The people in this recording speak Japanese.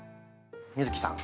美月さん